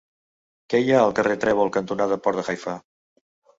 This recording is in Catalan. Què hi ha al carrer Trèvol cantonada Port de Haifa?